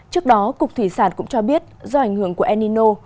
trước đó cục thủy sản cũng cho biết do ảnh hưởng của enino